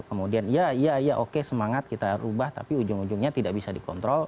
kemudian ya oke semangat kita ubah tapi ujung ujungnya tidak bisa dikontrol